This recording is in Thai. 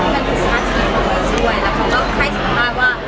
มันถูกจากที่คนมีช่วยแล้วก็ใครสังพันธ์ว่า